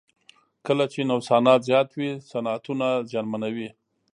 کله چې نوسانات زیات وي صنعتونه زیانمنوي.